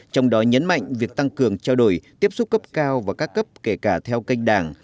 trong đó nhấn mạnh việc tăng cường trao đổi tiếp xúc cấp cao và các cấp kể cả theo kênh đảng